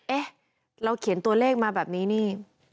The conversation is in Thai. เอ๊ะเราเขียนตัวเลขมาแบบนี้นี่